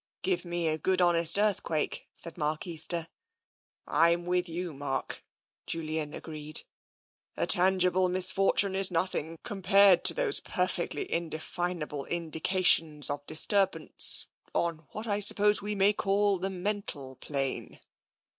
" Give me a good honest earthquake," said Mark Easter. " I'm with you, Mark," Julian agreed. "A tangible misfortune is nothing, compared to those perfectly indefinable indications of disturbance on what I suppose we may call the mental plane."